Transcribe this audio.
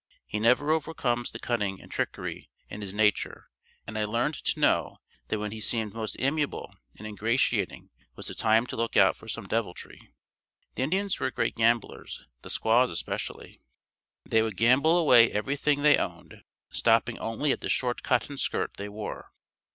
He never overcomes the cunning and trickery in his nature and I learned to know that when he seemed most amiable and ingratiating was the time to look out for some deviltry. The Indians were great gamblers, the squaws especially. They would gamble away everything they owned, stopping only at the short cotton skirt they wore.